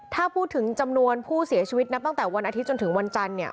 ถ้าพูดถึงจำนวนผู้เสียชีวิตนับตั้งแต่วันอาทิตยจนถึงวันจันทร์เนี่ย